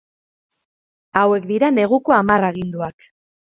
Hauek dira neguko hamar aginduak.